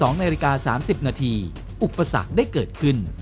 ๒นาฬิกา๓๐นาทีอุปสรรคได้เกิดขึ้น